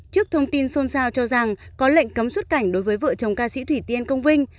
trước thông tin xôn xao cho rằng có lệnh cấm xuất cảnh đối với vợ chồng ca sĩ thủy tiên công vinh